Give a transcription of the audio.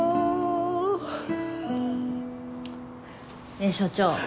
ねえ所長。